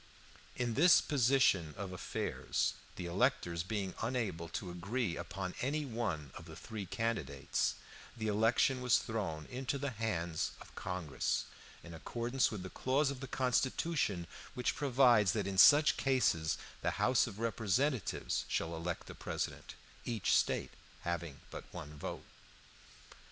In this position of affairs, the electors being unable to agree upon any one of the three candidates, the election was thrown into the hands of Congress, in accordance with the clause of the Constitution which provides that in such cases the House of Representatives shall elect a president, each State having but one vote.